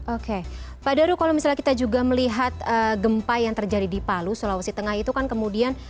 oke pak daru kalau misalnya kita juga melihat gempa yang terjadi di palu sulawesi tengah itu kan kemudian